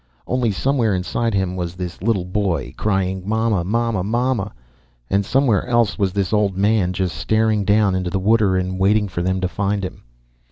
Only somewhere inside of him was this little boy, crying, "Mama, Mama, Mama!" And somewhere else was this old man, just staring down into the water and waiting for them to find him.